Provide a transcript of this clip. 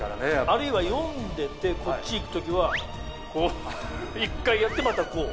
あるいは読んでてこっちいく時はこう１回やってまたこう。